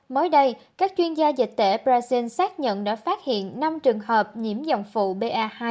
mới đây các chuyên gia dịch tễ brazil xác nhận đã phát hiện năm trường hợp nhiễm dòng phụ ba hai